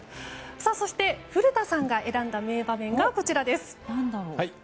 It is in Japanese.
そして、古田さんが選んだ名場面がこちらです。